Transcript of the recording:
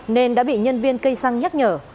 nên đã bị nhân viên cây xăng nhắc nhở